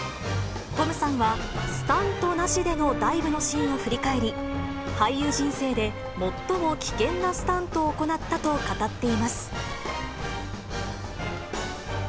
トムさんは、スタントなしでのダイブのシーンを振り返り、俳優人生で最も危険なスタントを行ったと語っています。